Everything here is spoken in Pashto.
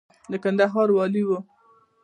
د کندهار والي و.